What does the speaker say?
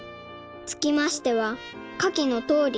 「つきましては下記のとおり」